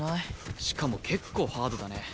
しかも結構ハードだね。